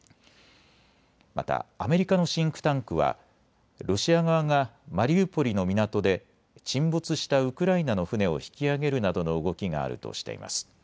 またアメリカのシンクタンクはロシア側がマリウポリの港で沈没したウクライナの船を引き揚げるなどの動きがあるとしています。